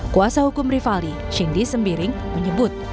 kuasa hukum rifaldi shindi sembiring menyebut